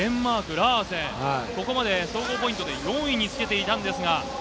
ここまで総合ポイント、４位につけていたんですが。